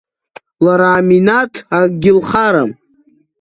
Лара, Аминаҭ, акгьы лхарам.